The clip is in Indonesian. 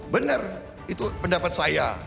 benar itu pendapat saya